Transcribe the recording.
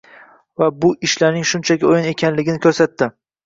va bu ishlarning shunchaki o‘yin ekanligini ko‘rsatdi.